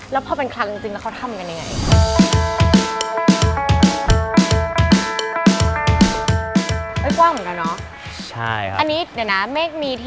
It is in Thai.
แล้วพอเป็นครั้งจริงว่ามันทำอะไร